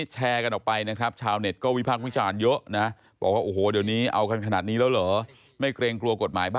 แชร์กันออกไปนะครับ